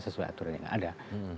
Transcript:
sesuai aturan yang ada